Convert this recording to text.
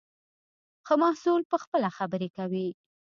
ښه محصول پخپله خبرې کوي.